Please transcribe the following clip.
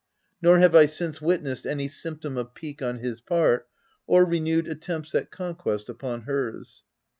Nor have I since wit nessed any symptom of pique on his part, or renewed attempts at conquest upon hers.